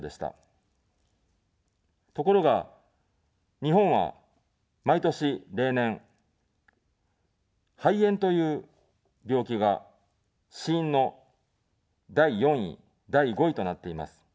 ところが、日本は毎年、例年、肺炎という病気が死因の第４位、第５位となっています。